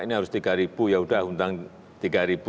ini harus tiga ribu yaudah undang tiga ribu